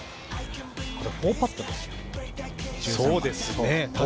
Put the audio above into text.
４パットですよ。